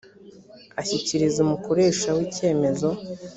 ashyikiriza umukoresha we icyemezo